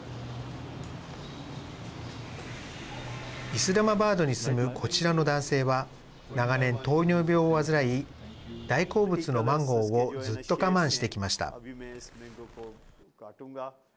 イスラマバードに住むこちらの男性は長年、糖尿病を患い大好物のマンゴーをずっと我慢してきました。